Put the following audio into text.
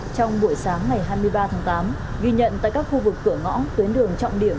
trong buổi sáng ngày hai mươi ba tháng tám ghi nhận tại các khu vực cửa ngõ tuyến đường trọng điểm